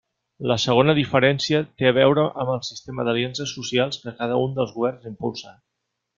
La segona diferència té a veure amb el sistema d'aliances socials que cada un dels governs impulsa.